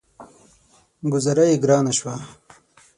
ګوذاره يې ګرانه شوه.